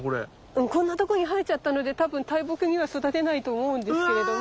うんこんなとこに生えちゃったので多分大木には育てないと思うんですけれども。